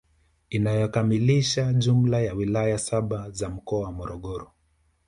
Inayokamilisha jumla ya wilaya saba za mkoa wa Morogoro